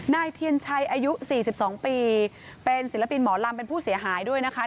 นายเทียนชัยอายุ๔๒ปีเป็นศิลปินหมอลำเป็นผู้เสียหายด้วยนะคะ